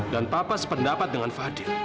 dan papa sependapat dengan fadil